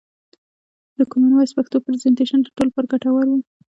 د کومن وایس پښتو پرزنټیشن د ټولو لپاره ګټور و.